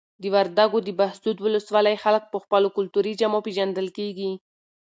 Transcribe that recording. د وردګو د بهسود ولسوالۍ خلک په خپلو کلتوري جامو پیژندل کیږي.